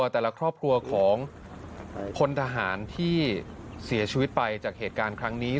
แต่ละครอบครัวของพลทหารที่เสียชีวิตไปจากเหตุการณ์ครั้งนี้